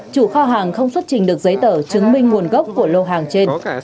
chủ kho hàng không xuất trình được giấy tờ chứng minh nguồn gốc của lô hàng trên